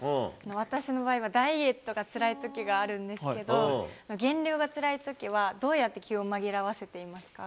私の場合は、ダイエットがつらいときがあるんですけど、減量がつらいときは、どうやって気を紛らわせていますか？